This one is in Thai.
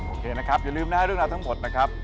โอเคนะครับอย่าลืมนะฮะเรื่องราวทั้งหมดนะครับ